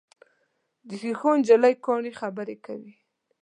د ښیښو نجلۍ کاڼي خبرې کوي.